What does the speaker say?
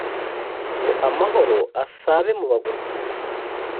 ngo amahoro asabe mu bagutuye